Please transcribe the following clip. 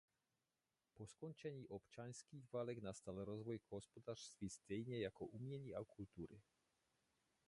Po skončení občanských válek nastal rozvoj hospodářství stejně jako umění a kultury.